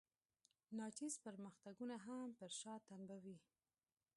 ناچیز پرمختګونه هم پر شا تمبوي.